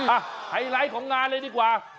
ไฮไลท์ของงานเลยดีกว่า